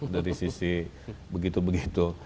dari sisi begitu begitu